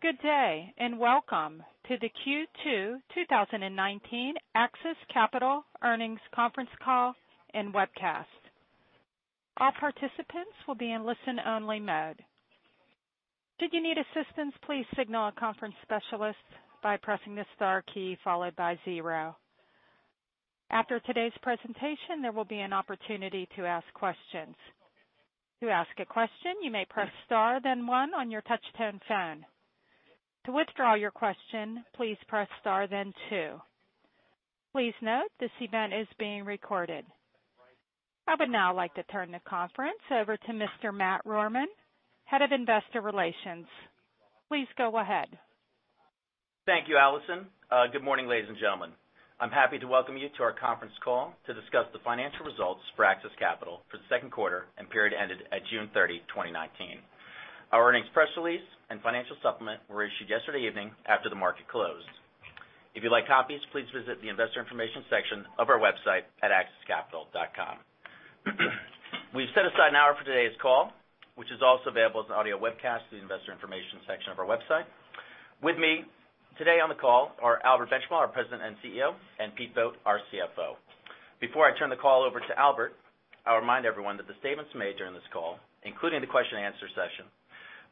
Good day. Welcome to the Q2 2019 AXIS Capital earnings conference call and webcast. All participants will be in listen-only mode. Should you need assistance, please signal a conference specialist by pressing the star key followed by zero. After today's presentation, there will be an opportunity to ask questions. To ask a question, you may press star then one on your touch-tone phone. To withdraw your question, please press star then two. Please note, this event is being recorded. I would now like to turn the conference over to Mr. Matt Rohrmann, Head of Investor Relations. Please go ahead. Thank you, Allison. Good morning, ladies and gentlemen. I'm happy to welcome you to our conference call to discuss the financial results for AXIS Capital for the second quarter and period ended at June 30, 2019. Our earnings press release and financial supplement were issued yesterday evening after the market closed. If you'd like copies, please visit the investor information section of our website at axiscapital.com. We've set aside an hour for today's call, which is also available as an audio webcast in the investor information section of our website. With me today on the call are Albert Benchimol, our President and CEO, and Pete Vogt, our CFO. Before I turn the call over to Albert, I'll remind everyone that the statements made during this call, including the question answer session,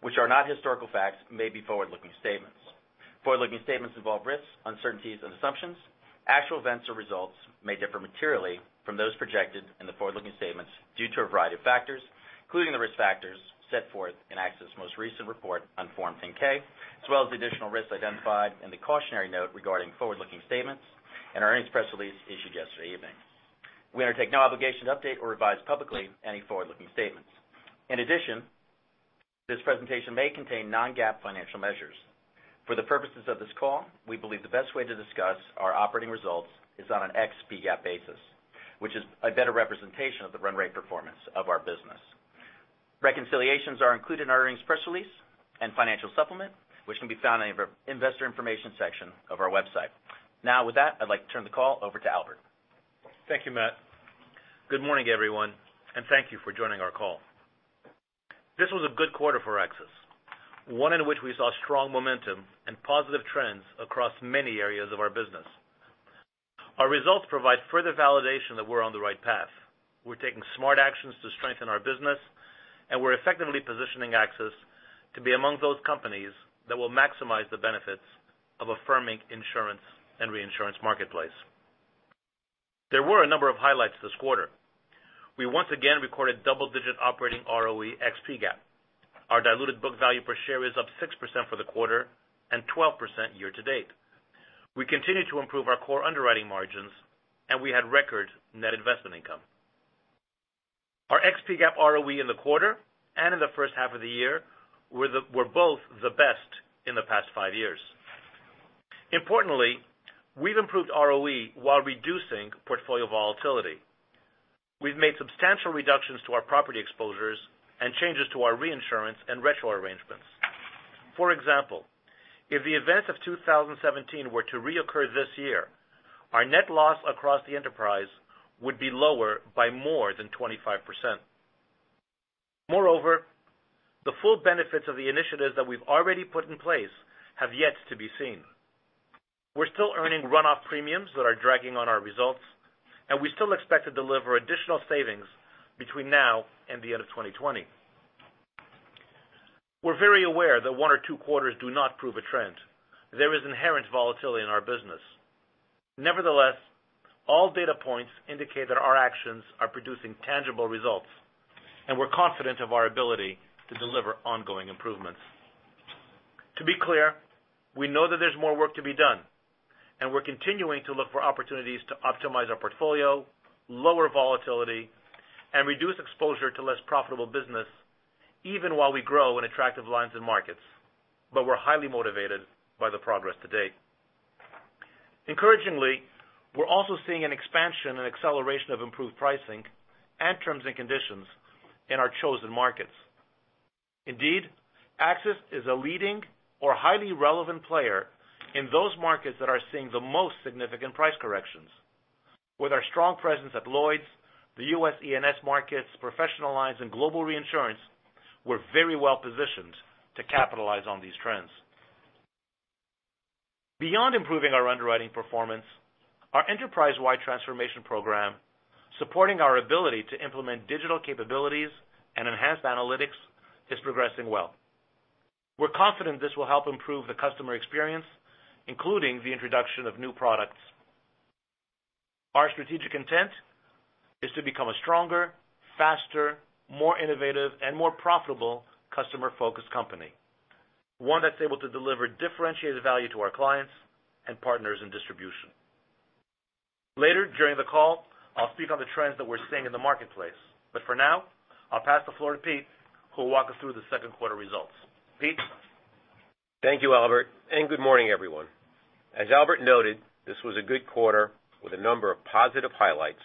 which are not historical facts, may be forward-looking statements. Forward-looking statements involve risks, uncertainties, and assumptions. Actual events or results may differ materially from those projected in the forward-looking statements due to a variety of factors, including the risk factors set forth in AXIS' most recent report on Form 10-K, as well as the additional risks identified in the cautionary note regarding forward-looking statements in our earnings press release issued yesterday evening. We undertake no obligation to update or revise publicly any forward-looking statements. In addition, this presentation may contain non-GAAP financial measures. For the purposes of this call, we believe the best way to discuss our operating results is on an ex-P-GAAP basis, which is a better representation of the run rate performance of our business. Reconciliations are included in our earnings press release and financial supplement, which can be found in the investor information section of our website. With that, I'd like to turn the call over to Albert. Thank you, Matt. Good morning, everyone. Thank you for joining our call. This was a good quarter for AXIS, one in which we saw strong momentum and positive trends across many areas of our business. Our results provide further validation that we're on the right path. We're taking smart actions to strengthen our business, and we're effectively positioning AXIS to be among those companies that will maximize the benefits of a firming insurance and reinsurance marketplace. There were a number of highlights this quarter. We once again recorded double-digit operating ROE ex-P-GAAP. Our diluted book value per share is up 6% for the quarter and 12% year-to-date. We continue to improve our core underwriting margins, and we had record net investment income. Our ex-P-GAAP ROE in the quarter and in the first half of the year were both the best in the past five years. Importantly, we've improved ROE while reducing portfolio volatility. We've made substantial reductions to our property exposures and changes to our reinsurance and retro arrangements. For example, if the events of 2017 were to reoccur this year, our net loss across the enterprise would be lower by more than 25%. Moreover, the full benefits of the initiatives that we've already put in place have yet to be seen. We're still earning runoff premiums that are dragging on our results, and we still expect to deliver additional savings between now and the end of 2020. We're very aware that one or two quarters do not prove a trend. There is inherent volatility in our business. Nevertheless, all data points indicate that our actions are producing tangible results, and we're confident of our ability to deliver ongoing improvements. To be clear, we know that there's more work to be done, we're continuing to look for opportunities to optimize our portfolio, lower volatility, and reduce exposure to less profitable business even while we grow in attractive lines and markets. We're highly motivated by the progress to date. Encouragingly, we're also seeing an expansion and acceleration of improved pricing and terms and conditions in our chosen markets. Indeed, AXIS is a leading or highly relevant player in those markets that are seeing the most significant price corrections. With our strong presence at Lloyd's, the U.S. E&S markets, professional lines, and global reinsurance, we're very well-positioned to capitalize on these trends. Beyond improving our underwriting performance, our enterprise-wide transformation program, supporting our ability to implement digital capabilities and enhance analytics, is progressing well. We're confident this will help improve the customer experience, including the introduction of new products. Our strategic intent is to become a stronger, faster, more innovative, and more profitable customer-focused company, one that's able to deliver differentiated value to our clients and partners in distribution. Later during the call, I'll speak on the trends that we're seeing in the marketplace, but for now, I'll pass the floor to Pete, who will walk us through the second quarter results. Pete? Thank you, Albert, good morning, everyone. As Albert noted, this was a good quarter with a number of positive highlights,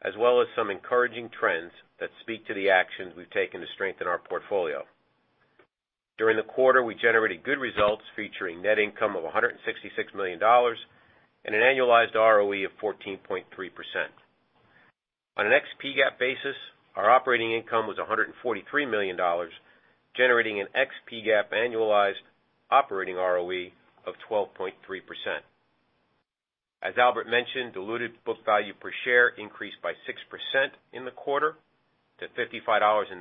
as well as some encouraging trends that speak to the actions we've taken to strengthen our portfolio. During the quarter, we generated good results featuring net income of $166 million and an annualized ROE of 14.3%. On an ex-P-GAAP basis, our operating income was $143 million, generating an ex-P-GAAP annualized operating ROE of 12.3%. As Albert mentioned, diluted book value per share increased by 6% in the quarter to $55.99.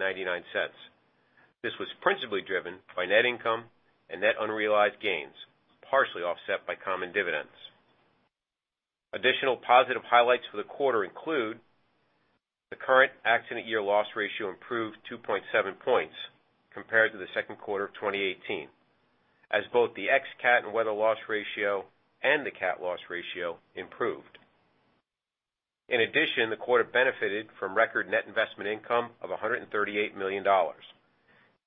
This was principally driven by net income and net unrealized gains, partially offset by common dividends. Additional positive highlights for the quarter include the current accident year loss ratio improved 2.7 points compared to the second quarter of 2018, as both the ex-CAT and weather loss ratio and the CAT loss ratio improved. In addition, the quarter benefited from record net investment income of $138 million.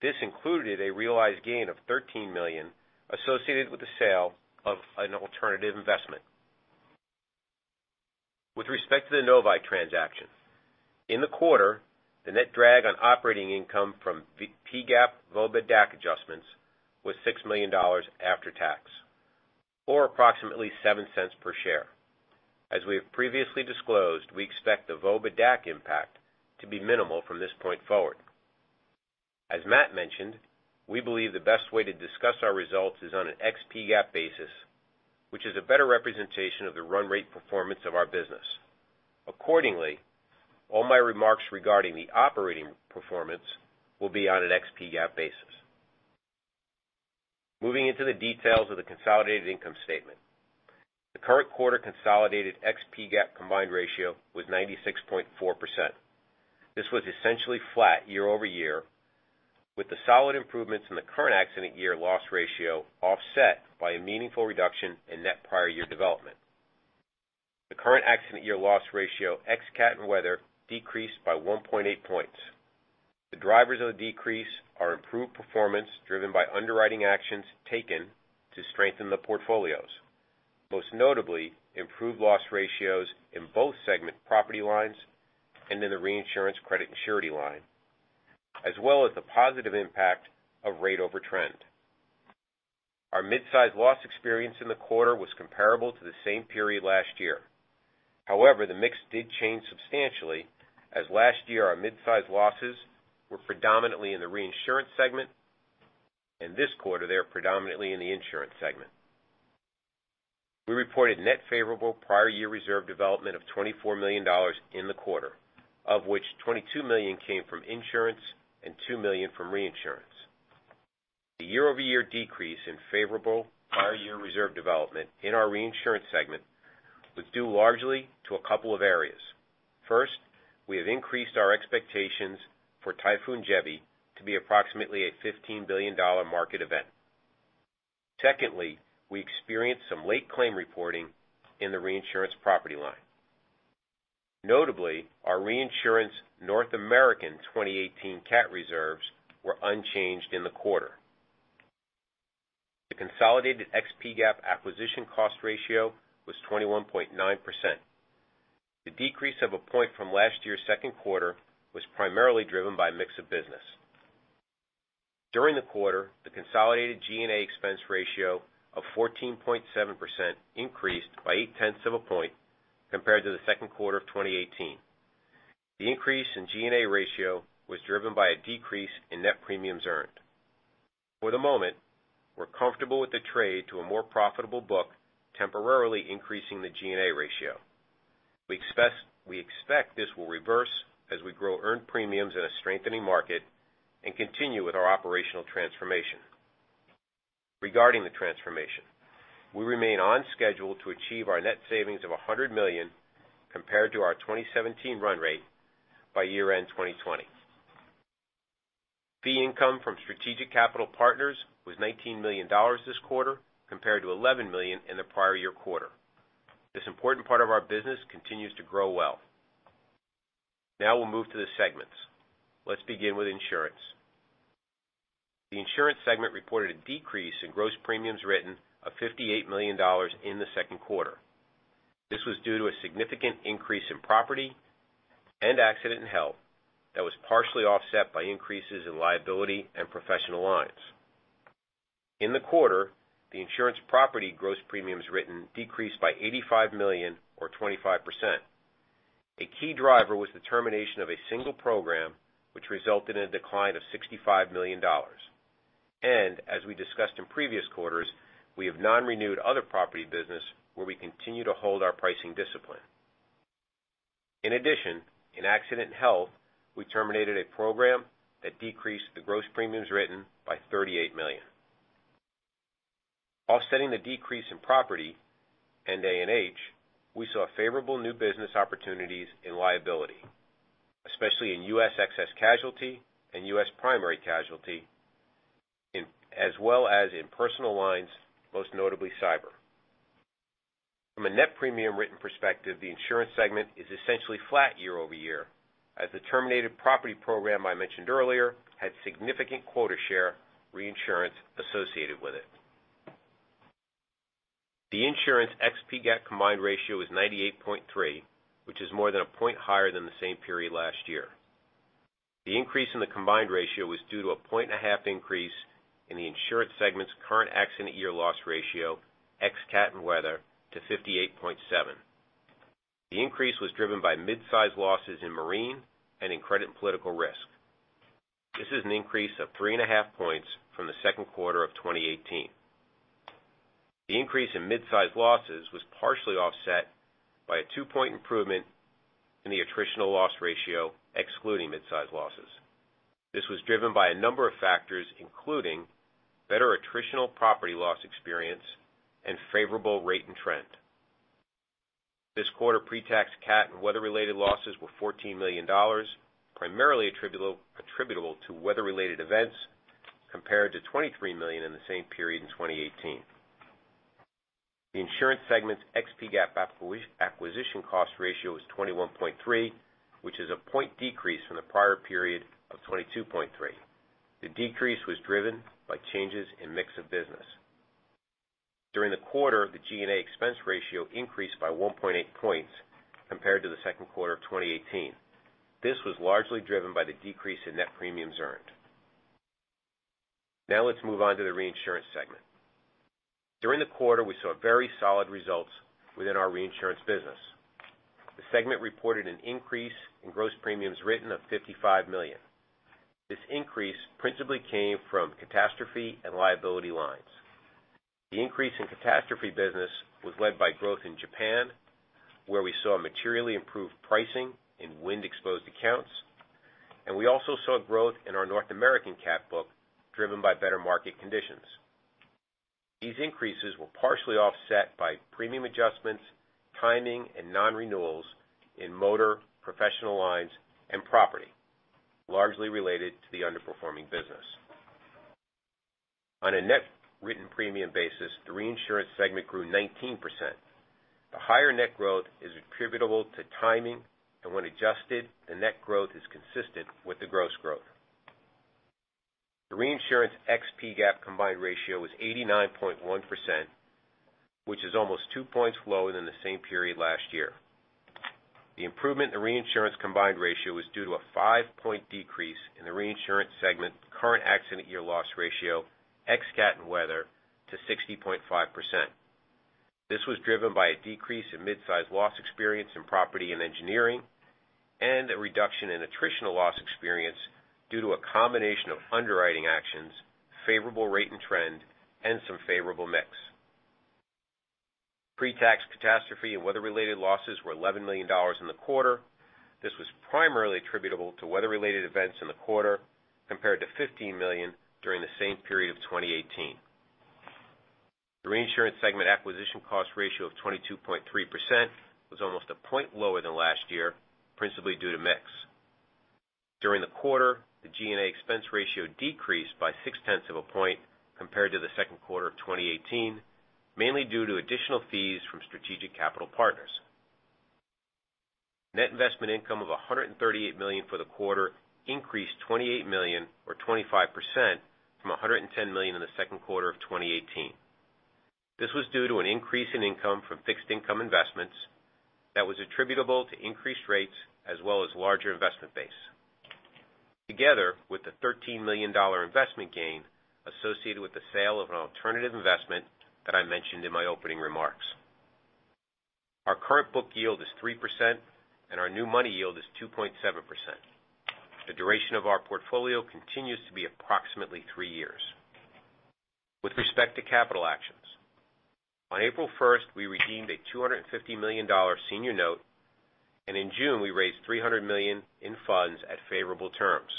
This included a realized gain of $13 million associated with the sale of an alternative investment. With respect to the Novae transaction, in the quarter, the net drag on operating income from P-GAAP VOBA/DAC adjustments was $6 million after tax, or approximately $0.07 per share. As we have previously disclosed, we expect the VOBA/DAC impact to be minimal from this point forward. As Matt mentioned, we believe the best way to discuss our results is on an ex-P-GAAP basis, which is a better representation of the run rate performance of our business. Accordingly, all my remarks regarding the operating performance will be on an ex-P-GAAP basis. Moving into the details of the consolidated income statement. The current quarter consolidated ex-P-GAAP combined ratio was 96.4%. This was essentially flat year-over-year, with the solid improvements in the current accident year loss ratio offset by a meaningful reduction in net prior year development. The current accident year loss ratio, ex-CAT and weather, decreased by 1.8 points. The drivers of the decrease are improved performance driven by underwriting actions taken to strengthen the portfolios, most notably improved loss ratios in both segment property lines and in the reinsurance credit and surety line, as well as the positive impact of rate over trend. Our mid-size loss experience in the quarter was comparable to the same period last year. However, the mix did change substantially as last year our mid-size losses were predominantly in the reinsurance segment, and this quarter they're predominantly in the insurance segment. We reported net favorable prior year reserve development of $24 million in the quarter, of which $22 million came from insurance and $2 million from reinsurance. The year-over-year decrease in favorable prior year reserve development in our reinsurance segment was due largely to a couple of areas. First, we have increased our expectations for Typhoon Jebi to be approximately a $15 billion market event. Secondly, we experienced some late claim reporting in the reinsurance property line. Notably, our reinsurance North American 2018 CAT reserves were unchanged in the quarter. The consolidated ex-P-GAAP acquisition cost ratio was 21.9%. The decrease of one point from last year's second quarter was primarily driven by mix of business. During the quarter, the consolidated G&A expense ratio of 14.7% increased by eight tenths of a point compared to the second quarter of 2018. The increase in G&A ratio was driven by a decrease in net premiums earned. For the moment, we're comfortable with the trade to a more profitable book, temporarily increasing the G&A ratio. We expect this will reverse as we grow earned premiums in a strengthening market and continue with our operational transformation. Regarding the transformation, we remain on schedule to achieve our net savings of $100 million compared to our 2017 run rate by year-end 2020. Fee income from strategic capital partners was $19 million this quarter, compared to $11 million in the prior year quarter. This important part of our business continues to grow well. Now we will move to the segments. Let's begin with insurance. The insurance segment reported a decrease in gross premiums written of $58 million in the second quarter. This was due to a significant increase in property and accident and health that was partially offset by increases in liability and professional lines. In the quarter, the insurance property gross premiums written decreased by $85 million or 25%. A key driver was the termination of a single program, which resulted in a decline of $65 million. As we discussed in previous quarters, we have non-renewed other property business where we continue to hold our pricing discipline. In addition, in accident and health, we terminated a program that decreased the gross premiums written by $38 million. Offsetting the decrease in property and A&H, we saw favorable new business opportunities in liability, especially in U.S. excess casualty and U.S. primary casualty, as well as in personal lines, most notably cyber. From a net premium written perspective, the insurance segment is essentially flat year-over-year as the terminated property program I mentioned earlier had significant quota share reinsurance associated with it. The insurance ex-P-GAAP combined ratio is 98.3, which is more than a point higher than the same period last year. The increase in the combined ratio was due to a point and a half increase in the insurance segment's current accident year loss ratio, ex-CAT and weather, to 58.7. The increase was driven by mid-size losses in marine and in credit and political risk. This is an increase of 3.5 points from the second quarter of 2018. The increase in mid-size losses was partially offset by a two-point improvement in the attritional loss ratio, excluding mid-size losses. This was driven by a number of factors, including better attritional property loss experience and favorable rate and trend. This quarter, pre-tax ex-CAT and weather-related losses were $14 million, primarily attributable to weather-related events, compared to $23 million in the same period in 2018. The insurance segment's ex-P-GAAP acquisition cost ratio was 21.3, which is a point decrease from the prior period of 22.3. The decrease was driven by changes in mix of business. During the quarter, the G&A expense ratio increased by 1.8 points compared to the second quarter of 2018. Let's move on to the reinsurance segment. During the quarter, we saw very solid results within our reinsurance business. The segment reported an increase in gross premiums written of $55 million. This increase principally came from catastrophe and liability lines. The increase in catastrophe business was led by growth in Japan, where we saw materially improved pricing in wind-exposed accounts, and we also saw growth in our North American CAT book, driven by better market conditions. These increases were partially offset by premium adjustments, timing, and non-renewals in motor, professional lines, and property, largely related to the underperforming business. On a net written premium basis, the reinsurance segment grew 19%. The higher net growth is attributable to timing, and when adjusted, the net growth is consistent with the gross growth. The reinsurance ex-PGAAP combined ratio was 89.1%, which is almost two points lower than the same period last year. The improvement in reinsurance combined ratio was due to a five-point decrease in the reinsurance segment current accident year loss ratio, ex-CAT and weather, to 60.5%. This was driven by a decrease in mid-size loss experience in property and engineering, and a reduction in attritional loss experience due to a combination of underwriting actions, favorable rate and trend, and some favorable mix. Pre-tax catastrophe and weather-related losses were $11 million in the quarter. This was primarily attributable to weather-related events in the quarter, compared to $15 million during the same period of 2018. The reinsurance segment acquisition cost ratio of 22.3% was almost a point lower than last year, principally due to mix. During the quarter, the G&A expense ratio decreased by six tenths of a point compared to the second quarter of 2018, mainly due to additional fees from strategic capital partners. Net investment income of $138 million for the quarter increased $28 million or 25% from $110 million in the second quarter of 2018. This was due to an increase in income from fixed income investments that was attributable to increased rates, as well as larger investment base. Together with the $13 million investment gain associated with the sale of an alternative investment that I mentioned in my opening remarks. Our current book yield is 3% and our new money yield is 2.7%. The duration of our portfolio continues to be approximately three years. With respect to capital actions, on April 1st, we redeemed a $250 million senior note, and in June, we raised $300 million in funds at favorable terms.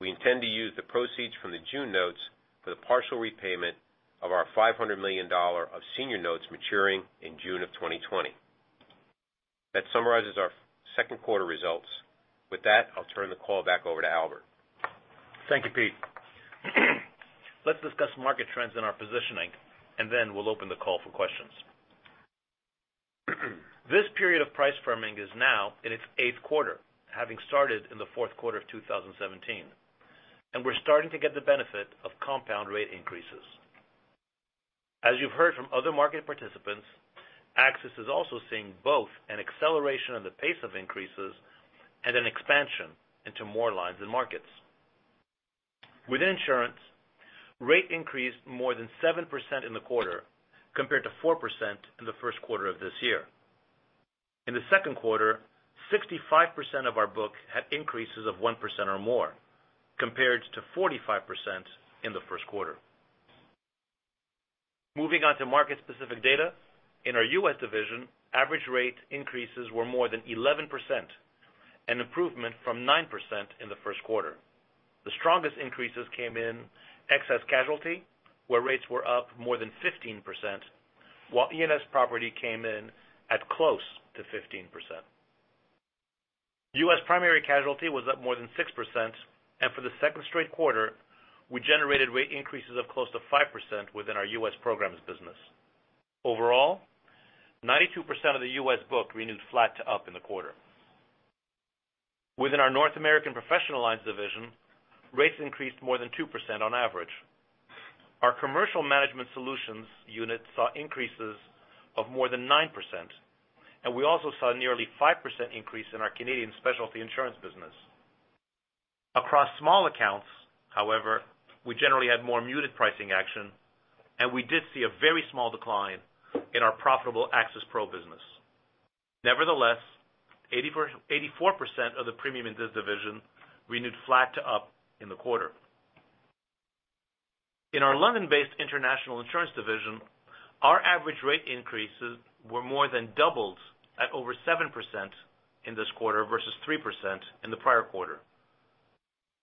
We intend to use the proceeds from the June notes for the partial repayment of our $500 million of senior notes maturing in June of 2020. That summarizes our second quarter results. With that, I'll turn the call back over to Albert. Thank you, Pete. Let's discuss market trends and our positioning, and then we'll open the call for questions. This period of price firming is now in its eighth quarter, having started in the fourth quarter of 2017. We're starting to get the benefit of compound rate increases. As you've heard from other market participants, AXIS is also seeing both an acceleration of the pace of increases and an expansion into more lines and markets. With insurance, rate increased more than 7% in the quarter, compared to 4% in the first quarter of this year. In the second quarter, 65% of our book had increases of 1% or more, compared to 45% in the first quarter. Moving on to market-specific data, in our U.S. division, average rate increases were more than 11%, an improvement from 9% in the first quarter. The strongest increases came in excess casualty, where rates were up more than 15%, while E&S property came in at close to 15%. U.S. primary casualty was up more than 6%, and for the second straight quarter, we generated rate increases of close to 5% within our U.S. Programs business. Overall, 92% of the U.S. book renewed flat to up in the quarter. Within our North American professional lines division, rates increased more than 2% on average. Our commercial management solutions unit saw increases of more than 9%, and we also saw nearly 5% increase in our Canadian specialty insurance business. Across small accounts, however, we generally had more muted pricing action, and we did see a very small decline in our profitable AXIS PRO business. Nevertheless, 84% of the premium in this division renewed flat to up in the quarter. In our London-based international insurance division, our average rate increases were more than doubled at over 7% in this quarter versus 3% in the prior quarter.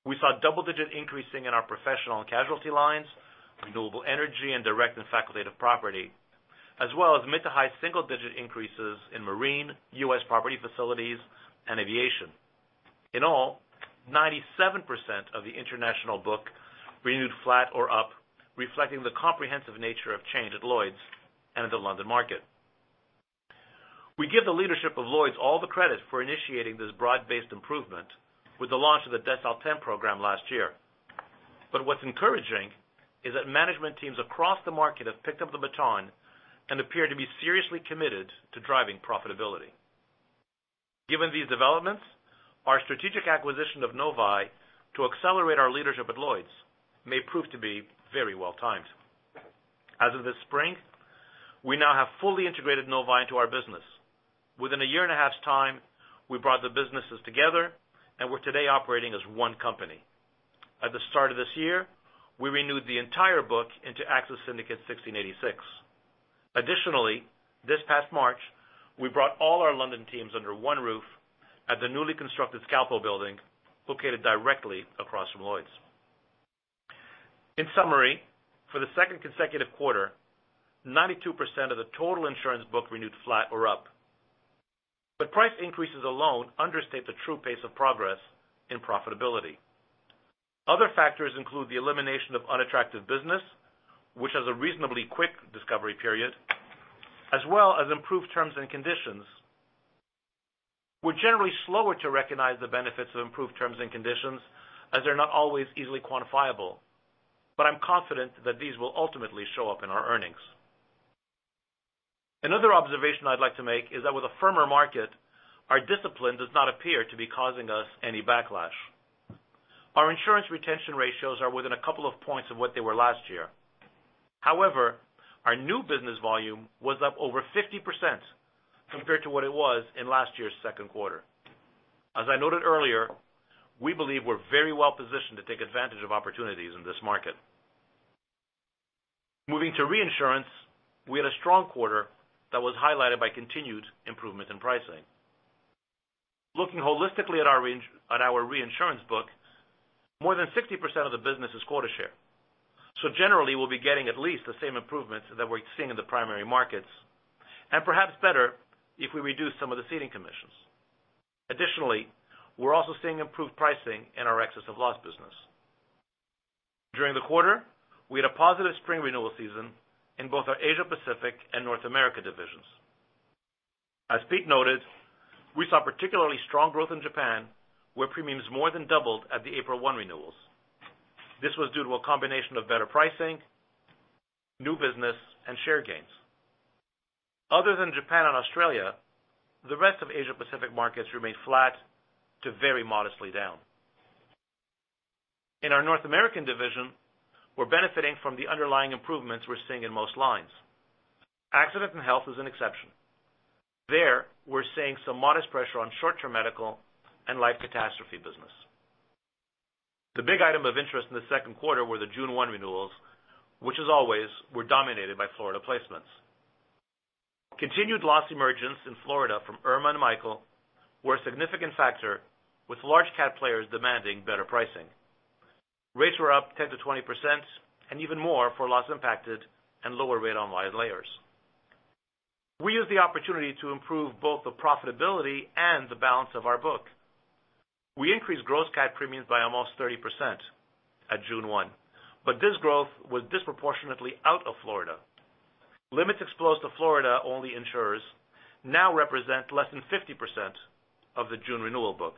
We saw double-digit increasing in our professional and casualty lines, renewable energy, and direct and facultative property, as well as mid to high single-digit increases in marine, U.S. property facilities, and aviation. In all, 97% of the international book renewed flat or up, reflecting the comprehensive nature of change at Lloyd's and at the London Market. We give the leadership of Lloyd's all the credit for initiating this broad-based improvement with the launch of the Decile 10 program last year. What's encouraging is that management teams across the market have picked up the baton and appear to be seriously committed to driving profitability. Given these developments, our strategic acquisition of Novae to accelerate our leadership at Lloyd's may prove to be very well-timed. As of this spring, we now have fully integrated Novae into our business. Within a year and a half's time, we brought the businesses together, and we're today operating as one company. At the start of this year, we renewed the entire book into AXIS Syndicate 1686. Additionally, this past March, we brought all our London teams under one roof at the newly constructed Scalpel building, located directly across from Lloyd's. In summary, for the second consecutive quarter, 92% of the total insurance book renewed flat or up. Price increases alone understate the true pace of progress in profitability. Other factors include the elimination of unattractive business, which has a reasonably quick discovery period, as well as improved terms and conditions. We're generally slower to recognize the benefits of improved terms and conditions as they're not always easily quantifiable, I'm confident that these will ultimately show up in our earnings. Another observation I'd like to make is that with a firmer market, our discipline does not appear to be causing us any backlash. Our insurance retention ratios are within a couple of points of what they were last year. However, our new business volume was up over 50% compared to what it was in last year's second quarter. As I noted earlier, we believe we're very well-positioned to take advantage of opportunities in this market. Moving to reinsurance, we had a strong quarter that was highlighted by continued improvement in pricing. Looking holistically at our reinsurance book, more than 60% of the business is quota share. Generally, we'll be getting at least the same improvements that we're seeing in the primary markets, and perhaps better if we reduce some of the ceding commissions. Additionally, we're also seeing improved pricing in our excess of loss business. During the quarter, we had a positive spring renewal season in both our Asia Pacific and North America divisions. As Pete noted, we saw particularly strong growth in Japan, where premiums more than doubled at the April 1 renewals. This was due to a combination of better pricing, new business, and share gains. Other than Japan and Australia, the rest of Asia Pacific markets remained flat to very modestly down. In our North American division, we're benefiting from the underlying improvements we're seeing in most lines. Accident and health is an exception. There, we're seeing some modest pressure on short-term medical and life catastrophe business. The big item of interest in the second quarter were the June 1 renewals, which as always, were dominated by Florida placements. Continued loss emergence in Florida from Irma and Michael were a significant factor, with large CAT players demanding better pricing. Rates were up 10%-20% and even more for loss impacted and lower rate on wide layers. We used the opportunity to improve both the profitability and the balance of our book. We increased gross CAT premiums by almost 30% at June 1, but this growth was disproportionately out of Florida. Limits exposed to Florida-only insurers now represent less than 50% of the June renewal book.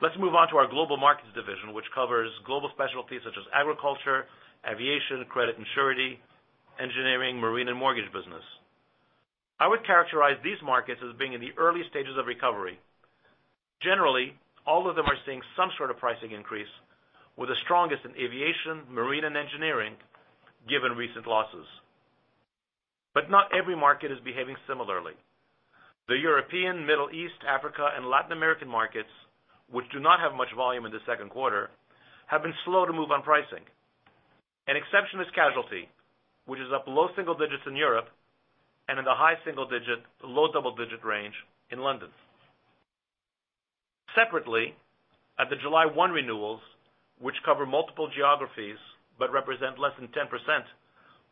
Let's move on to our Global Markets Division, which covers global specialties such as agriculture, aviation, credit and surety, engineering, marine, and mortgage business. I would characterize these markets as being in the early stages of recovery. Generally, all of them are seeing some sort of pricing increase, with the strongest in aviation, marine, and engineering, given recent losses. Not every market is behaving similarly. The European, Middle East, Africa, and Latin American markets, which do not have much volume in the second quarter, have been slow to move on pricing. An exception is casualty, which is up low single digits in Europe and in the high single digit to low double-digit range in London. Separately, at the July 1 renewals, which cover multiple geographies but represent less than 10%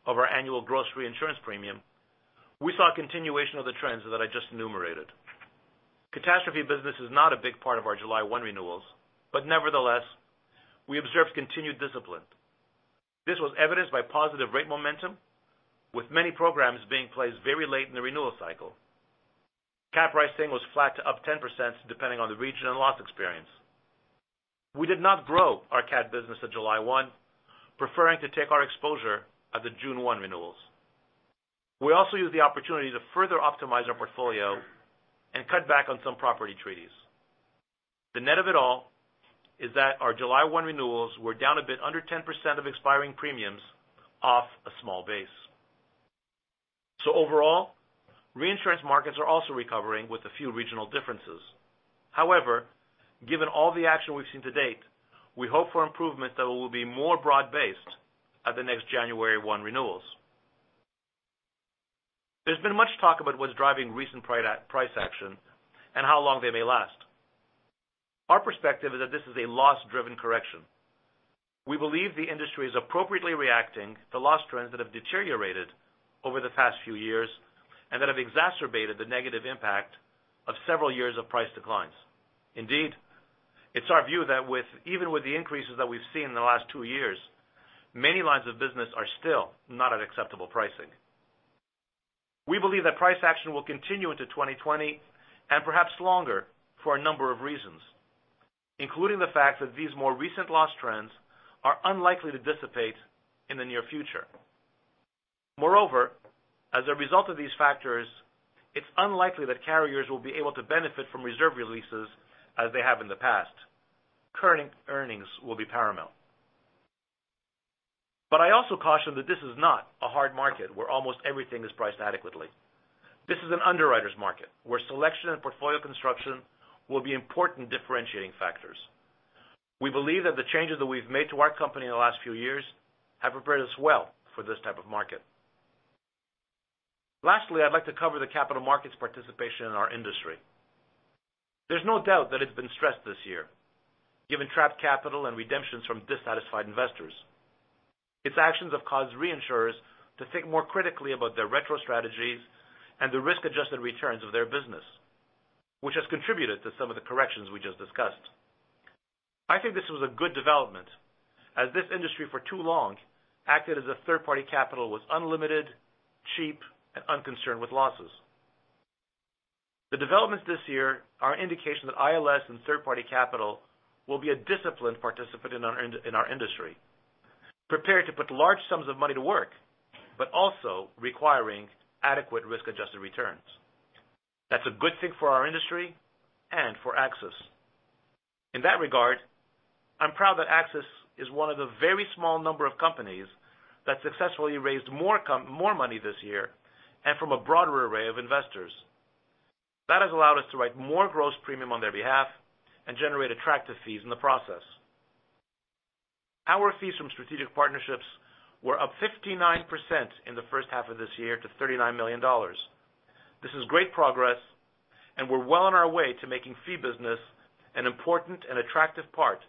of our annual gross reinsurance premium, we saw a continuation of the trends that I just enumerated. Catastrophe business is not a big part of our July 1 renewals, but nevertheless, we observed continued discipline. This was evidenced by positive rate momentum, with many programs being placed very late in the renewal cycle. CAT pricing was flat to up 10%, depending on the region and loss experience. We did not grow our CAT business at July 1, preferring to take our exposure at the June 1 renewals. We also used the opportunity to further optimize our portfolio and cut back on some property treaties. The net of it all is that our July 1 renewals were down a bit under 10% of expiring premiums off a small base. Overall, reinsurance markets are also recovering with a few regional differences. However, given all the action we've seen to date, we hope for improvements that will be more broad-based at the next January 1 renewals. There's been much talk about what's driving recent price action and how long they may last. Our perspective is that this is a loss-driven correction. We believe the industry is appropriately reacting to loss trends that have deteriorated over the past few years and that have exacerbated the negative impact of several years of price declines. Indeed, it's our view that even with the increases that we've seen in the last two years, many lines of business are still not at acceptable pricing. We believe that price action will continue into 2020, and perhaps longer, for a number of reasons, including the fact that these more recent loss trends are unlikely to dissipate in the near future. Moreover, as a result of these factors, it's unlikely that carriers will be able to benefit from reserve releases as they have in the past. Current earnings will be paramount. I also caution that this is not a hard market where almost everything is priced adequately. This is an underwriter's market where selection and portfolio construction will be important differentiating factors. We believe that the changes that we've made to our company in the last few years have prepared us well for this type of market. Lastly, I'd like to cover the capital markets participation in our industry. There's no doubt that it's been stressed this year, given trapped capital and redemptions from dissatisfied investors. Its actions have caused reinsurers to think more critically about their retro strategies and the risk-adjusted returns of their business, which has contributed to some of the corrections we just discussed. I think this was a good development, as this industry for too long acted as if third-party capital was unlimited, cheap, and unconcerned with losses. The developments this year are an indication that ILS and third-party capital will be a disciplined participant in our industry, prepared to put large sums of money to work, but also requiring adequate risk-adjusted returns. That's a good thing for our industry and for AXIS. In that regard, I'm proud that AXIS is one of the very small number of companies that successfully raised more money this year and from a broader array of investors. That has allowed us to write more gross premium on their behalf and generate attractive fees in the process. Our fees from strategic partnerships were up 59% in the first half of this year to $39 million. This is great progress, and we're well on our way to making fee business an important and attractive part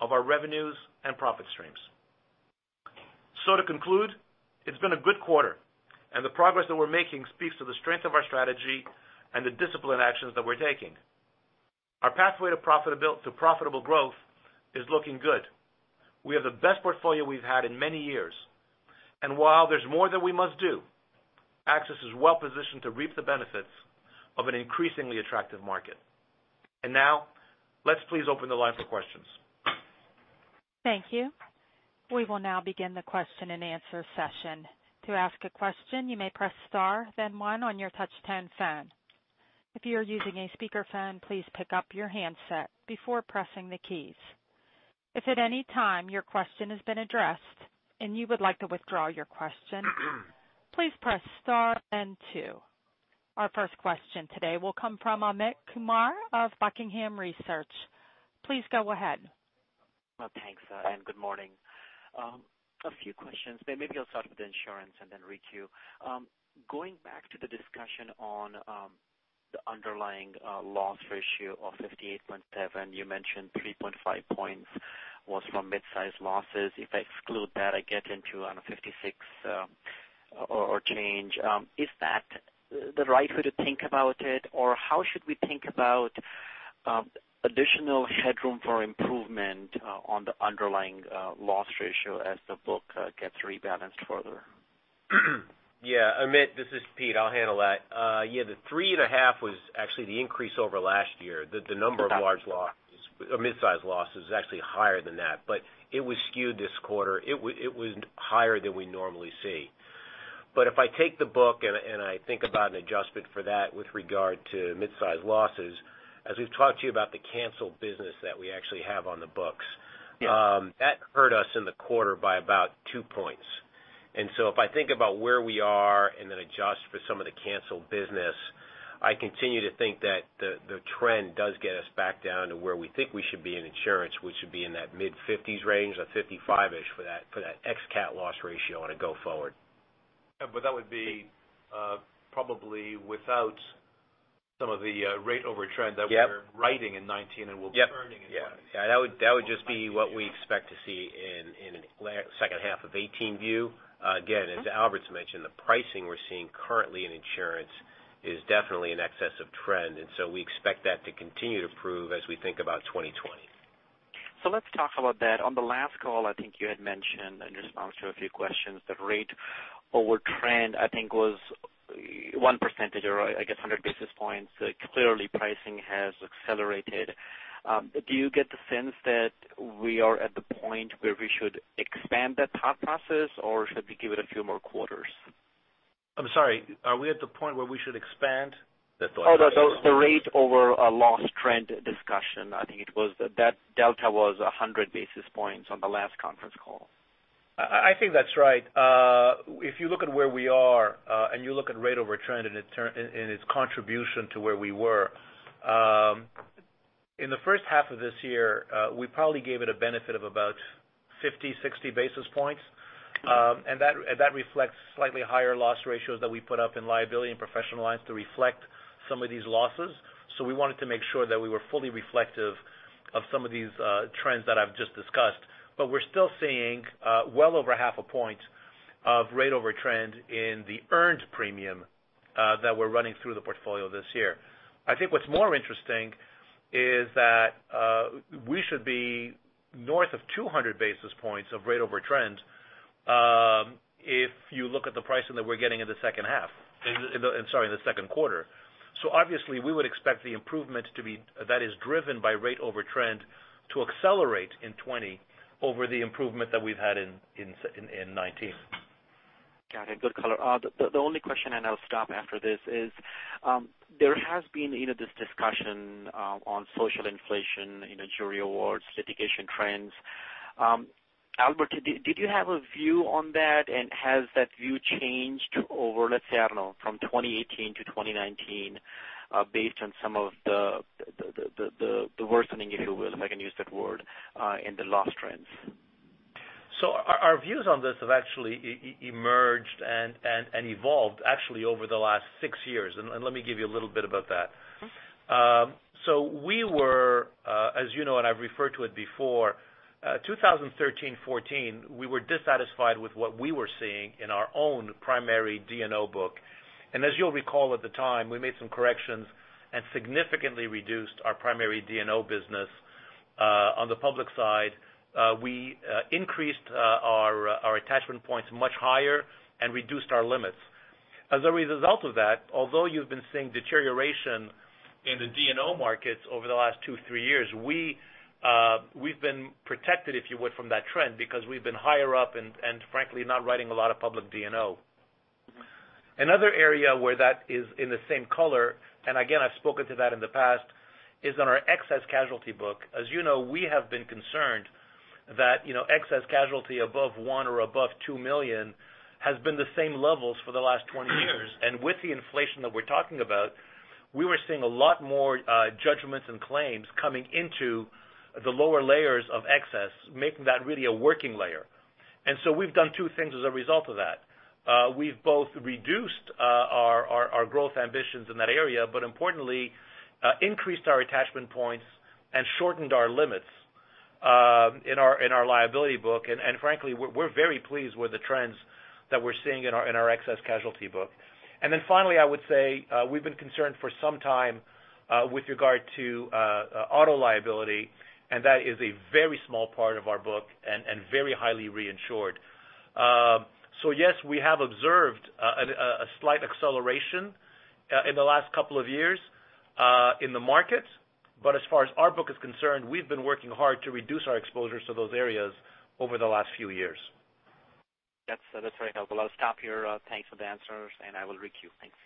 of our revenues and profit streams. To conclude, it's been a good quarter, and the progress that we're making speaks to the strength of our strategy and the disciplined actions that we're taking. Our pathway to profitable growth is looking good. We have the best portfolio we've had in many years, and while there's more that we must do, AXIS is well positioned to reap the benefits of an increasingly attractive market. Now, let's please open the line for questions. Thank you. We will now begin the question and answer session. To ask a question, you may press star then one on your touch-tone phone. If you are using a speakerphone, please pick up your handset before pressing the keys. If at any time your question has been addressed and you would like to withdraw your question, please press star then two. Our first question today will come from Amit Kumar of Buckingham Research. Please go ahead. Well, thanks, good morning. A few questions, maybe I'll start with insurance and then retail. Going back to the discussion on the underlying loss ratio of 58.7, you mentioned 3.5 points was from mid-size losses. If I exclude that, I get into on a 56 or change. Is that the right way to think about it? How should we think about additional headroom for improvement on the underlying loss ratio as the book gets rebalanced further? Yeah, Amit, this is Pete. I'll handle that. Yeah, the 3.5 was actually the increase over last year. Okay mid-size losses is actually higher than that. It was skewed this quarter. It was higher than we normally see. If I take the book and I think about an adjustment for that with regard to mid-size losses. Yeah that hurt us in the quarter by about two points. If I think about where we are and then adjust for some of the canceled business, I continue to think that the trend does get us back down to where we think we should be in insurance, we should be in that mid-50s range or 55-ish for that ex-CAT loss ratio on a go forward. Yeah, that would be probably without some of the rate over trend. Yep we're writing in 2019 and will be. Yep turning in 2020. That would just be what we expect to see in second half of 2018 view. Again, as Albert's mentioned, the pricing we're seeing currently in insurance is definitely in excess of trend, we expect that to continue to improve as we think about 2020. Let's talk about that. On the last call, I think you had mentioned in response to a few questions that rate over trend, I think, was one percentage or I guess 100 basis points. Clearly, pricing has accelerated. Do you get the sense that we are at the point where we should expand that thought process or should we give it a few more quarters? I'm sorry, are we at the point where we should expand the thought process? The rate over a loss trend discussion. I think it was that delta was 100 basis points on the last conference call. I think that's right. If you look at where we are, and you look at rate over trend and its contribution to where we were. In the first half of this year, we probably gave it a benefit of about 50, 60 basis points. That reflects slightly higher loss ratios that we put up in liability and professional lines to reflect some of these losses. We wanted to make sure that we were fully reflective of some of these trends that I've just discussed. We're still seeing well over half a point of rate over trend in the earned premium that we're running through the portfolio this year. I think what's more interesting is that we should be north of 200 basis points of rate over trend, if you look at the pricing that we're getting in the second half, I'm sorry, in the second quarter. Obviously we would expect the improvement that is driven by rate over trend to accelerate in 2020 over the improvement that we've had in 2019. Got it. Good color. The only question, I'll stop after this, is there has been this discussion on social inflation, jury awards, litigation trends. Albert, did you have a view on that, has that view changed over, let's say, I don't know, from 2018 to 2019 based on some of the worsening, if you will, if I can use that word, in the loss trends? Our views on this have actually emerged and evolved actually over the last six years, and let me give you a little bit about that. We were, as you know, and I've referred to it before, 2013-2014, we were dissatisfied with what we were seeing in our own primary D&O book. As you'll recall, at the time, we made some corrections and significantly reduced our primary D&O business. On the public side, we increased our attachment points much higher and reduced our limits. As a result of that, although you've been seeing deterioration in the D&O markets over the last two, three years, we've been protected, if you would, from that trend because we've been higher up and frankly, not writing a lot of public D&O. Another area where that is in the same color, again, I've spoken to that in the past, is on our excess casualty book. As you know, we have been concerned that excess casualty above one or above $2 million has been the same levels for the last 20 years. With the inflation that we're talking about, we were seeing a lot more judgments and claims coming into the lower layers of excess, making that really a working layer. We've done two things as a result of that. We've both reduced our growth ambitions in that area, importantly, increased our attachment points and shortened our limits in our liability book. Frankly, we're very pleased with the trends that we're seeing in our excess casualty book. Finally, I would say, we've been concerned for some time with regard to auto liability, that is a very small part of our book and very highly reinsured. Yes, we have observed a slight acceleration in the last couple of years in the market. As far as our book is concerned, we've been working hard to reduce our exposures to those areas over the last few years. That's very helpful. I'll stop here. Thanks for the answers, I will requeue. Thanks.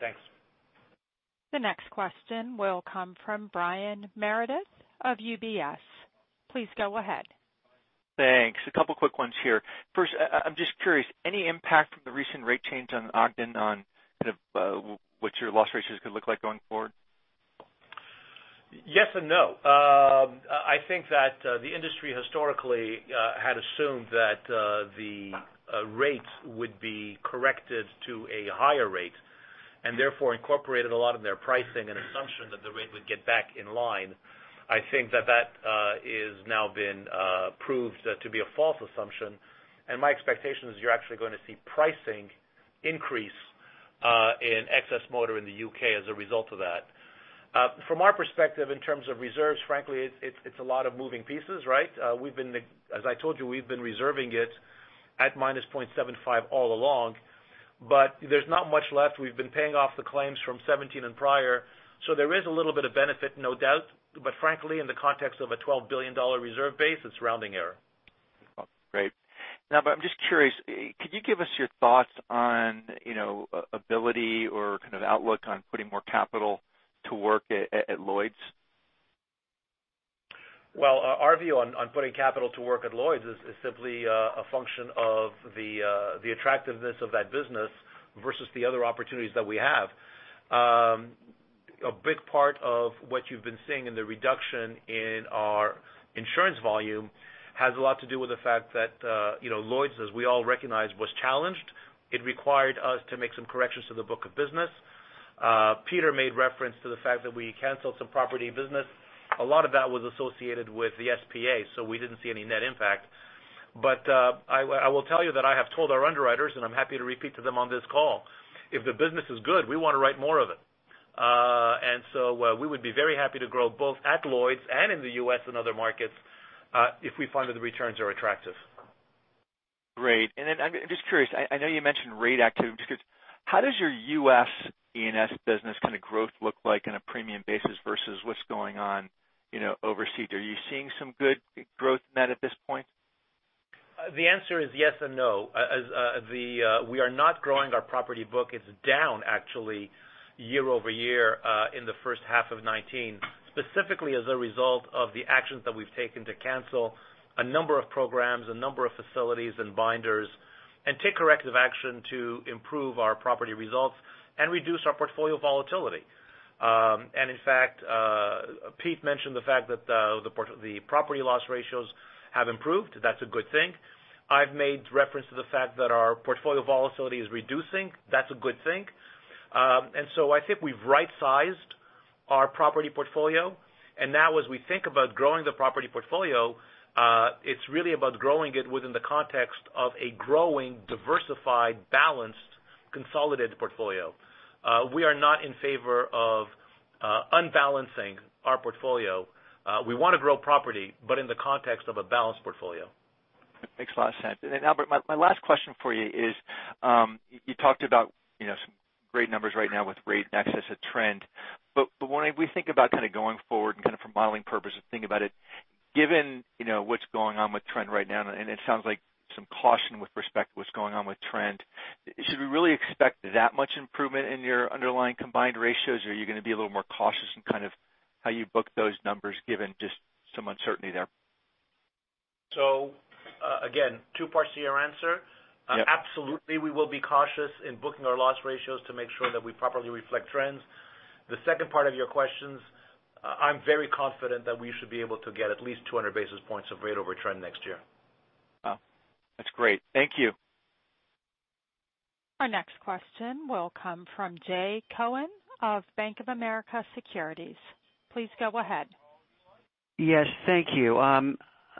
Thanks. The next question will come from Brian Meredith of UBS. Please go ahead. Thanks. A couple of quick ones here. First, I'm just curious, any impact from the recent rate change on Ogden on kind of what your loss ratios could look like going forward? Yes and no. I think that the industry historically had assumed that the rate would be corrected to a higher rate and therefore incorporated a lot of their pricing and assumption that the rate would get back in line. I think that that is now been proved to be a false assumption. My expectation is you're actually going to see pricing increase in excess motor in the U.K. as a result of that. From our perspective, in terms of reserves, frankly, it's a lot of moving pieces, right? As I told you, we've been reserving it at minus 0.75 all along. There's not much left. We've been paying off the claims from 2017 and prior. There is a little bit of benefit, no doubt. Frankly, in the context of a $12 billion reserve base, it's rounding error. Great. Now, I'm just curious, could you give us your thoughts on ability or kind of outlook on putting more capital to work at Lloyd's? Well, our view on putting capital to work at Lloyd's is simply a function of the attractiveness of that business versus the other opportunities that we have. A big part of what you've been seeing in the reduction in our insurance volume has a lot to do with the fact that Lloyd's, as we all recognize, was challenged. It required us to make some corrections to the book of business. Peter made reference to the fact that we canceled some property business. A lot of that was associated with the SPA. We didn't see any net impact. I will tell you that I have told our underwriters, and I'm happy to repeat to them on this call, if the business is good, we want to write more of it. We would be very happy to grow both at Lloyd's and in the U.S. and other markets, if we find that the returns are attractive. Great. I'm just curious, I know you mentioned rate activity. Just curious, how does your U.S. E&S business kind of growth look like on a premium basis versus what's going on overseas? Are you seeing some good growth in that at this point? The answer is yes and no. We are not growing our property book. It's down actually year-over-year, in the first half of 2019, specifically as a result of the actions that we've taken to cancel a number of programs, a number of facilities and binders, and take corrective action to improve our property results and reduce our portfolio volatility. In fact, Pete mentioned the fact that the property loss ratios have improved. That's a good thing. I've made reference to the fact that our portfolio volatility is reducing. That's a good thing. So I think we've right-sized our property portfolio. Now as we think about growing the property portfolio, it's really about growing it within the context of a growing, diversified, balanced, consolidated portfolio. We are not in favor of unbalancing our portfolio. We want to grow property, but in the context of a balanced portfolio. Makes a lot of sense. Albert, my last question for you is, you talked about some great numbers right now with rate and excess of trend. When we think about kind of going forward and kind of for modeling purposes, thinking about it, given what's going on with trend right now, and it sounds like some caution with respect to what's going on with trend, should we really expect that much improvement in your underlying combined ratios, or are you going to be a little more cautious in kind of how you book those numbers given just some uncertainty there? Again, two parts to your answer. Yeah. Absolutely, we will be cautious in booking our loss ratios to make sure that we properly reflect trends. The second part of your questions, I'm very confident that we should be able to get at least 200 basis points of rate over trend next year. Wow. That's great. Thank you. Our next question will come from Jay Cohen of BofA Securities. Please go ahead. Yes, thank you. I'm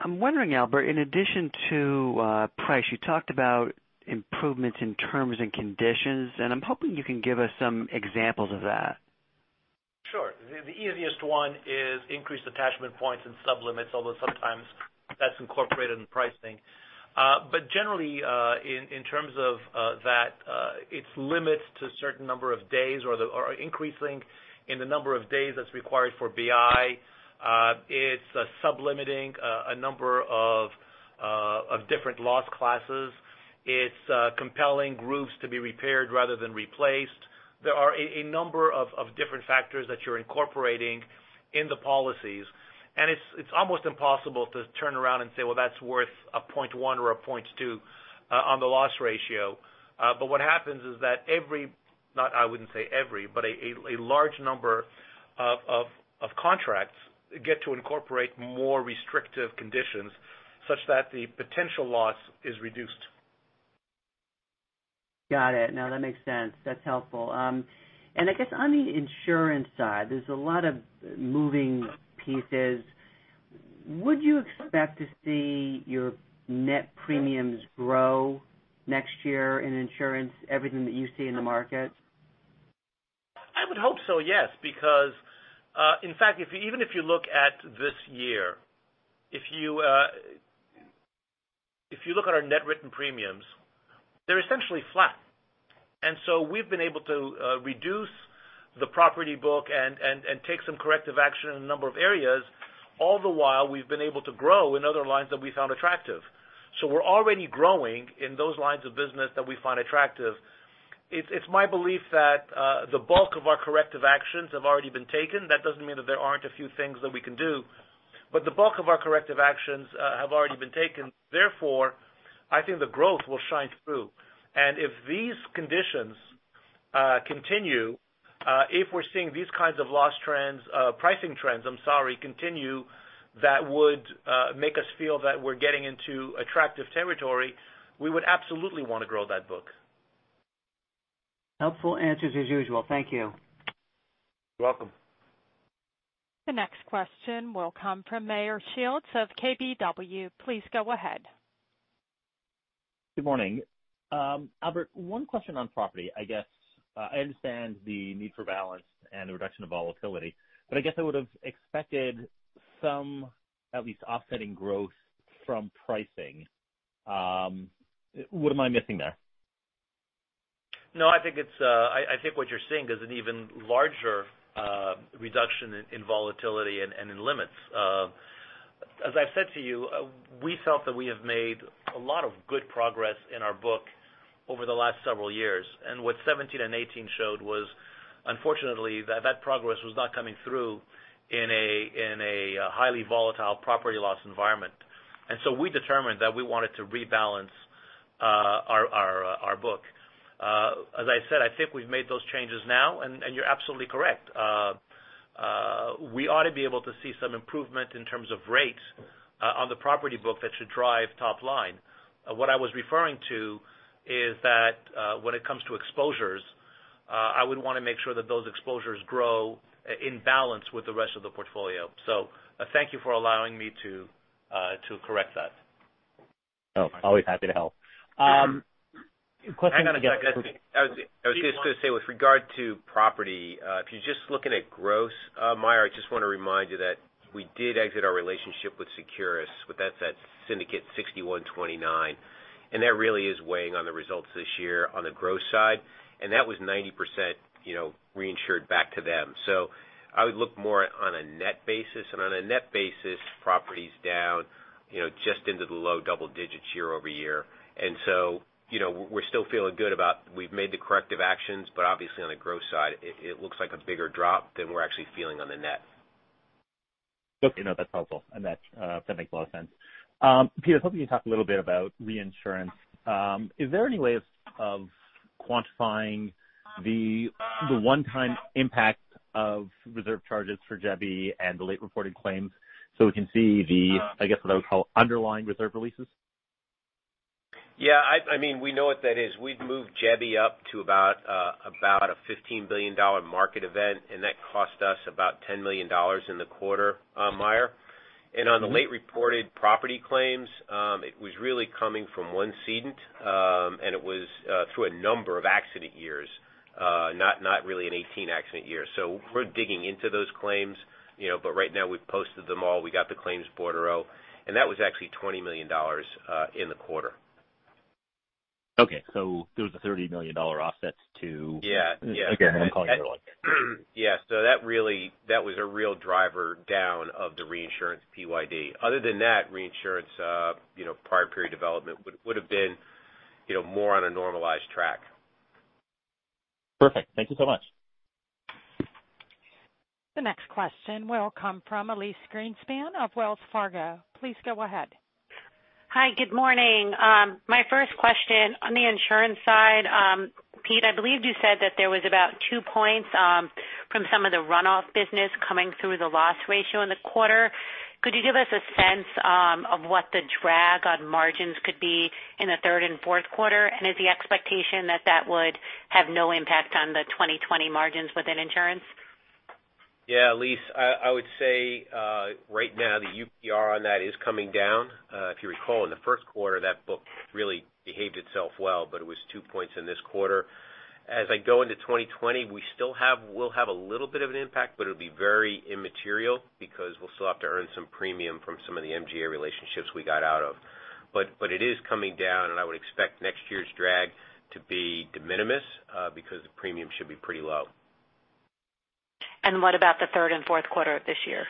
wondering, Albert, in addition to price, you talked about improvements in terms and conditions, and I'm hoping you can give us some examples of that. Sure. The easiest one is increased attachment points and sub-limits, although sometimes that's incorporated in pricing. Generally, in terms of that, it's limits to certain number of days or increasing in the number of days that's required for BI. It's sub-limiting a number of different loss classes. It's compelling roofs to be repaired rather than replaced. There are a number of different factors that you're incorporating in the policies, and it's almost impossible to turn around and say, "Well, that's worth a 0.1 or a 0.2 on the loss ratio." What happens is that every, I wouldn't say every, but a large number of contracts get to incorporate more restrictive conditions such that the potential loss is reduced. Got it. No, that makes sense. That's helpful. I guess on the insurance side, there's a lot of moving pieces. Would you expect to see your net premiums grow next year in insurance, everything that you see in the market? I would hope so, yes. In fact, even if you look at this year, if you look at our net written premiums, they're essentially flat. We've been able to reduce the property book and take some corrective action in a number of areas, all the while we've been able to grow in other lines that we found attractive. We're already growing in those lines of business that we find attractive. It's my belief that the bulk of our corrective actions have already been taken. That doesn't mean that there aren't a few things that we can do, but the bulk of our corrective actions have already been taken. Therefore, I think the growth will shine through. If these conditions continue, if we're seeing these kinds of pricing trends continue, that would make us feel that we're getting into attractive territory, we would absolutely want to grow that book. Helpful answers as usual. Thank you. You're welcome. The next question will come from Meyer Shields of KBW. Please go ahead. Good morning. Albert, one question on property. I guess I understand the need for balance and the reduction of volatility, I guess I would have expected some at least offsetting growth from pricing. What am I missing there? No, I think what you're seeing is an even larger reduction in volatility and in limits. As I've said to you, we felt that we have made a lot of good progress in our book over the last several years. What 2017 and 2018 showed was, unfortunately, that progress was not coming through in a highly volatile property loss environment. We determined that we wanted to rebalance our book. As I said, I think we've made those changes now, you're absolutely correct. We ought to be able to see some improvement in terms of rates on the property book that should drive top line. What I was referring to is that when it comes to exposures, I would want to make sure that those exposures grow in balance with the rest of the portfolio. Thank you for allowing me to correct that. Oh, always happy to help. Hang on a second, Pete. I was just going to say, with regard to property, if you're just looking at gross, Meyer, I just want to remind you that we did exit our relationship with Securis. That's that Syndicate 6129, and that really is weighing on the results this year on the gross side, and that was 90% reinsured back to them. I would look more on a net basis, and on a net basis, property's down just into the low double digits year-over-year. We're still feeling good about we've made the corrective actions, but obviously on the gross side, it looks like a bigger drop than we're actually feeling on the net. Okay. No, that's helpful. That makes a lot of sense. Pete, I was hoping you'd talk a little bit about reinsurance. Is there any way of quantifying the one-time impact of reserve charges for Jebi and the late-reported claims so we can see the, I guess what I would call underlying reserve releases? Yeah. We know what that is. We've moved Jebi up to about a $15 billion market event, and that cost us about $10 million in the quarter, Meyer. On the late-reported property claims, it was really coming from one cedant, and it was through a number of accident years, not really a 2018 accident year. We're digging into those claims, but right now we've posted them all. We got the claims bordereau, and that was actually $20 million in the quarter. Okay. Those are $30 million offsets to- Yeah. Okay. I am calling it one. Yeah. That was a real driver down of the reinsurance PYD. Other than that, reinsurance, prior period development would've been more on a normalized track. Perfect. Thank you so much. The next question will come from Elyse Greenspan of Wells Fargo. Please go ahead. Hi. Good morning. My first question on the insurance side, Pete, I believed you said that there was about two points from some of the runoff business coming through the loss ratio in the quarter. Could you give us a sense of what the drag on margins could be in the third and fourth quarter, and is the expectation that that would have no impact on the 2020 margins within insurance? Yeah, Elyse, I would say, right now the UPR on that is coming down. If you recall, in the first quarter, that book really behaved itself well, but it was two points in this quarter. As I go into 2020, we'll have a little bit of an impact, but it'll be very immaterial because we'll still have to earn some premium from some of the MGA relationships we got out of. It is coming down, I would expect next year's drag to be de minimis, because the premium should be pretty low. What about the third and fourth quarter of this year?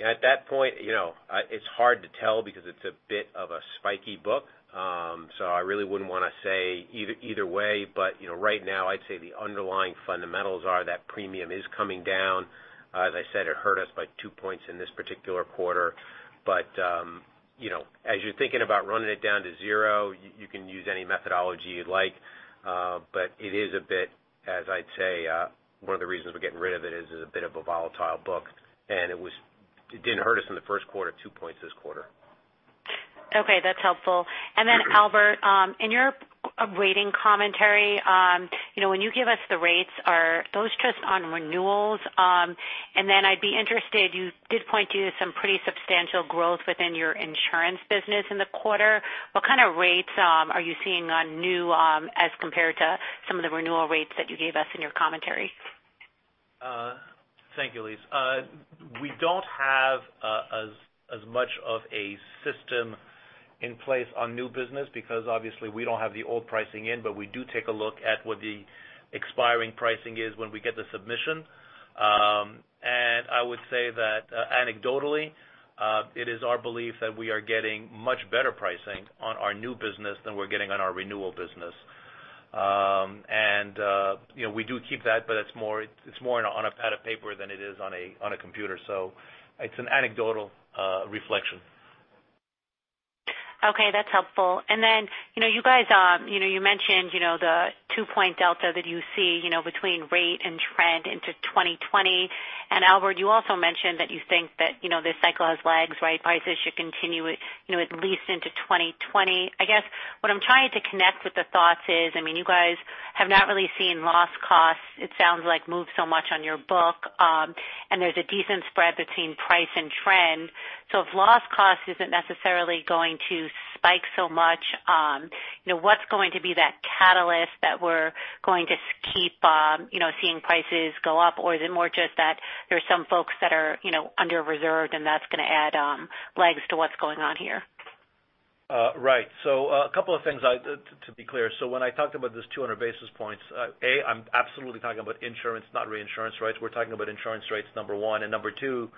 At that point, it's hard to tell because it's a bit of a spiky book. I really wouldn't want to say either way, but right now I'd say the underlying fundamentals are that premium is coming down. As I said, it hurt us by two points in this particular quarter. As you're thinking about running it down to zero, you can use any methodology you'd like. It is a bit, as I'd say, one of the reasons we're getting rid of it is it's a bit of a volatile book, and it didn't hurt us in the first quarter, two points this quarter. Okay, that's helpful. Albert, in your rating commentary, when you give us the rates, are those just on renewals? Then I'd be interested, you did point to some pretty substantial growth within your insurance business in the quarter. What kind of rates are you seeing on new as compared to some of the renewal rates that you gave us in your commentary? Thank you, Elyse. We don't have as much of a system in place on new business because obviously we don't have the old pricing in, but we do take a look at what the expiring pricing is when we get the submission. I would say that anecdotally, it is our belief that we are getting much better pricing on our new business than we're getting on our renewal business. We do keep that, but it's more on a pad of paper than it is on a computer. It's an anecdotal reflection. Okay, that's helpful. You mentioned the two-point delta that you see between rate and trend into 2020. Albert, you also mentioned that you think that this cycle has legs, right? Prices should continue at least into 2020. I guess what I'm trying to connect with the thoughts is, you guys have not really seen loss costs, it sounds like, move so much on your book. There's a decent spread between price and trend. If loss cost isn't necessarily going to spike so much, what's going to be that catalyst that we're going to keep seeing prices go up? Or is it more just that there's some folks that are under-reserved and that's going to add legs to what's going on here? Right. A couple of things to be clear. When I talked about this 200 basis points, A, I'm absolutely talking about insurance, not reinsurance rates. We're talking about insurance rates, number one, and number two,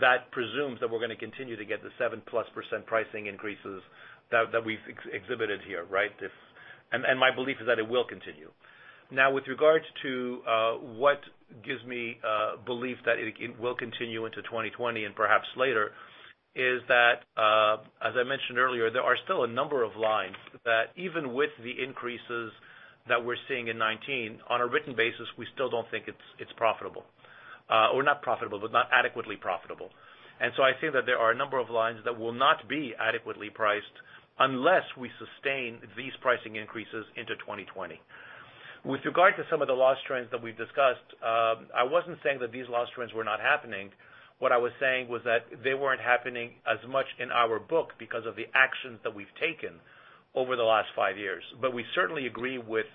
that presumes that we're going to continue to get the 7 plus % pricing increases that we've exhibited here, right? My belief is that it will continue. Now, with regards to what gives me belief that it will continue into 2020 and perhaps later, is that, as I mentioned earlier, there are still a number of lines that even with the increases that we're seeing in 2019, on a written basis, we still don't think it's profitable. Or not profitable, but not adequately profitable. I think that there are a number of lines that will not be adequately priced unless we sustain these pricing increases into 2020. With regard to some of the loss trends that we've discussed, I wasn't saying that these loss trends were not happening. What I was saying was that they weren't happening as much in our book because of the actions that we've taken over the last five years. We certainly agree with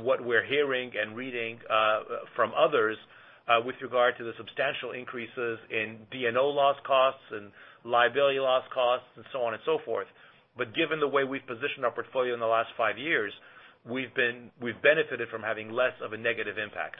what we're hearing and reading from others with regard to the substantial increases in D&O loss costs and liability loss costs, and so on and so forth. Given the way we've positioned our portfolio in the last five years, we've benefited from having less of a negative impact.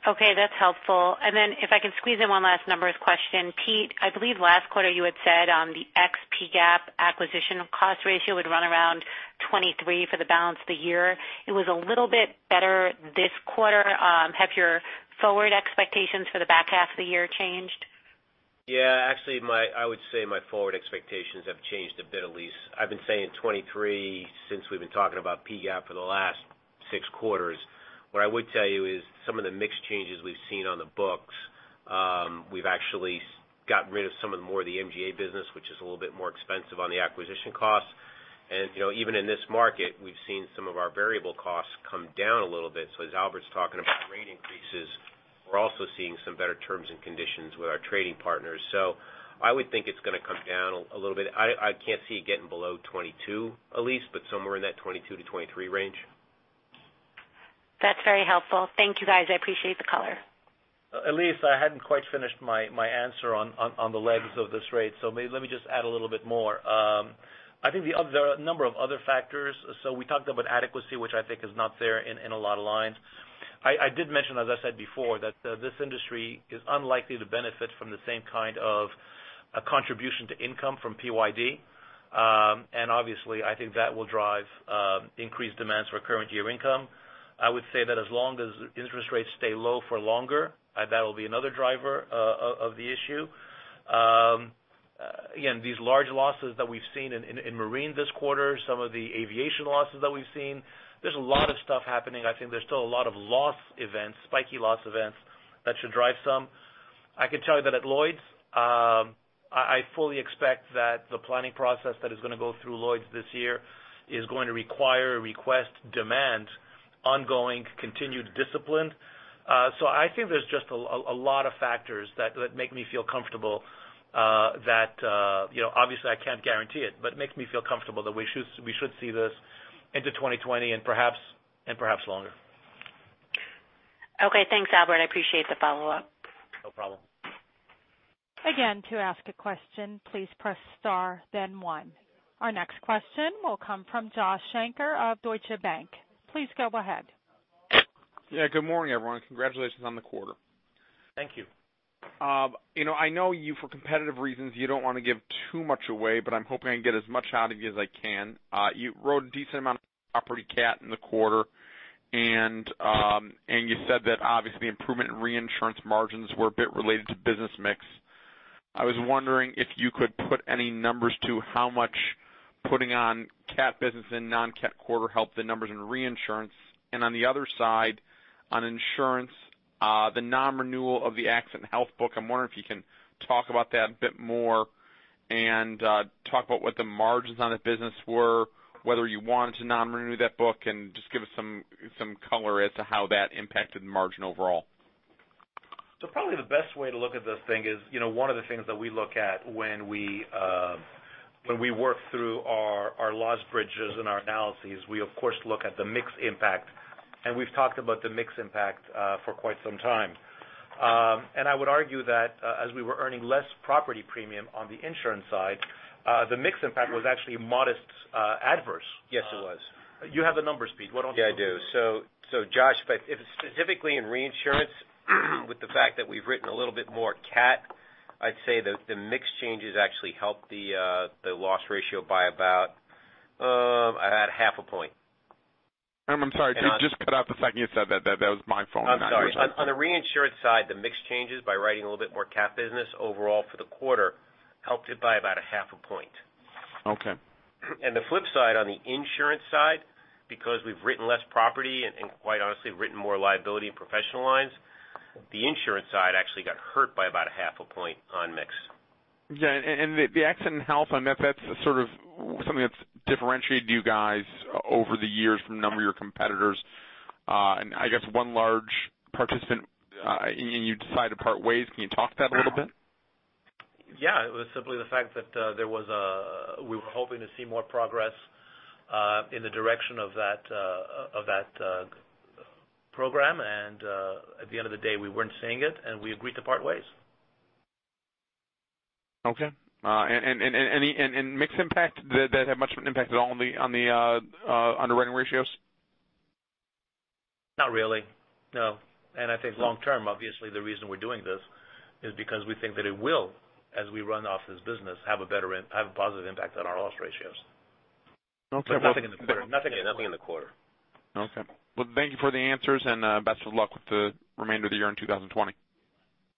Okay, that's helpful. If I can squeeze in one last numbers question. Pete, I believe last quarter you had said on the ex-P&C GAAP acquisition cost ratio would run around 23% for the balance of the year. It was a little bit better this quarter. Have your forward expectations for the back half of the year changed? My forward expectations have changed a bit, Elyse. I've been saying 23% since we've been talking about P&C GAAP for the last six quarters. What I would tell you is some of the mix changes we've seen on the books, we've actually gotten rid of some of the MGA business, which is a little bit more expensive on the acquisition costs. Even in this market, we've seen some of our variable costs come down a little bit. As Albert's talking about rate increases, we're also seeing some better terms and conditions with our trading partners. I would think it's going to come down a little bit. I can't see it getting below 22%, Elyse, but somewhere in that 22%-23% range. That's very helpful. Thank you, guys. I appreciate the color. Elyse, I hadn't quite finished my answer on the legs of this rate. Let me just add a little bit more. There are a number of other factors. We talked about adequacy, which is not there in a lot of lines. I did mention, as I said before, that this industry is unlikely to benefit from the same kind of contribution to income from PYD. Obviously that will drive increased demands for current year income. I would say that as long as interest rates stay low for longer, that'll be another driver of the issue. Again, these large losses that we've seen in marine this quarter, some of the aviation losses that we've seen, there's a lot of stuff happening. There's still a lot of loss events, spiky loss events that should drive some. I can tell you that at Lloyd's, I fully expect that the planning process that is going to go through Lloyd's this year is going to require, request, demand ongoing, continued discipline. There's just a lot of factors that make me feel comfortable that, obviously I can't guarantee it, but it makes me feel comfortable that we should see this into 2020 and perhaps longer. Okay, thanks, Albert. I appreciate the follow-up. No problem. Again, to ask a question, please press star then one. Our next question will come from Josh Shanker of Deutsche Bank. Please go ahead. Yeah, good morning, everyone. Congratulations on the quarter. Thank you. I know you, for competitive reasons, you don't want to give too much away. I'm hoping I can get as much out of you as I can. You wrote a decent amount of property CAT in the quarter. You said that obviously improvement in reinsurance margins were a bit related to business mix. I was wondering if you could put any numbers to how much putting on CAT business in non-CAT quarter helped the numbers in reinsurance. On the other side, on insurance, the non-renewal of the accident health book. I'm wondering if you can talk about that a bit more and talk about what the margins on the business were, whether you wanted to non-renew that book. Just give us some color as to how that impacted margin overall. Probably the best way to look at this thing is one of the things that we look at when we work through our loss bridges and our analyses, we of course look at the mix impact, and we've talked about the mix impact for quite some time. I would argue that as we were earning less property premium on the insurance side, the mix impact was actually modest adverse. Yes, it was. You have the numbers, Pete, why don't you. Yeah, I do. Josh, specifically in reinsurance, with the fact that we've written a little bit more CAT, I'd say that the mix changes actually helped the loss ratio by about half a point. I'm sorry. You just cut out the second you said that. That was my phone. I'm sorry. On the reinsurance side, the mix changes by writing a little bit more CAT business overall for the quarter helped it by about a half a point. Okay. The flip side, on the insurance side, because we've written less property and quite honestly written more liability in professional lines, the insurance side actually got hurt by about a half a point on mix. Yeah. The accident health on that's sort of something that's differentiated you guys over the years from a number of your competitors. I guess one large participant, you decided to part ways. Can you talk to that a little bit? Yeah. It was simply the fact that we were hoping to see more progress in the direction of that program, and at the end of the day, we weren't seeing it, and we agreed to part ways. Okay. Mix impact, did that have much of an impact at all on the underwriting ratios? Not really, no. I think long term, obviously the reason we're doing this is because we think that it will, as we run off this business, have a positive impact on our loss ratios. Okay. Nothing in the quarter. Yeah, nothing in the quarter. Okay. Well, thank you for the answers, and best of luck with the remainder of the year in 2020.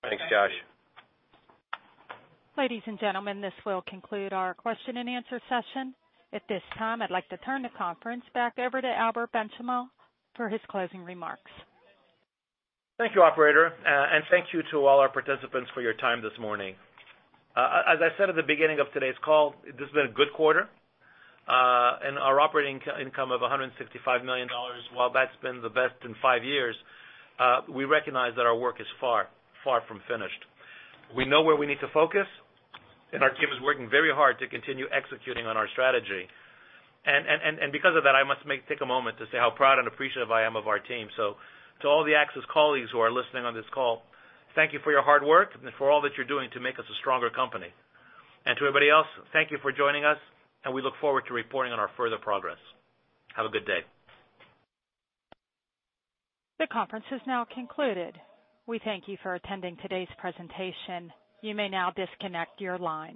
Thanks, Josh. Ladies and gentlemen, this will conclude our question and answer session. At this time, I'd like to turn the conference back over to Albert Benchimol for his closing remarks. Thank you, operator. Thank you to all our participants for your time this morning. As I said at the beginning of today's call, this has been a good quarter. Our operating income of $165 million, while that's been the best in five years, we recognize that our work is far from finished. We know where we need to focus, and our team is working very hard to continue executing on our strategy. Because of that, I must take a moment to say how proud and appreciative I am of my team. To all the AXIS colleagues who are listening on this call, thank you for your hard work and for all that you're doing to make us a stronger company. To everybody else, thank you for joining us, and we look forward to reporting on our further progress. Have a good day. The conference is now concluded. We thank you for attending today's presentation. You may now disconnect your lines.